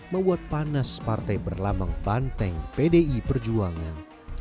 membuat panas partai berlambang banteng pdi perjuangan